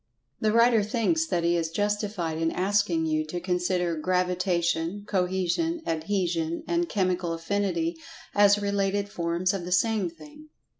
The writer thinks that he is justified in asking you to consider Gravitation, Cohesion, Adhesion and Chemical Affinity as related forms of the same thing.